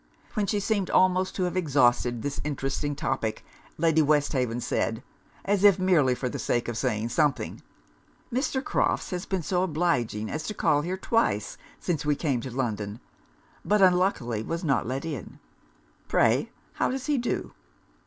When she seemed almost to have exhausted this interesting topic, Lady Westhaven said, as if merely for the sake of saying something 'Mr. Crofts has been so obliging as to call here twice since we came to London; but unluckily was not let in. Pray how does he do?'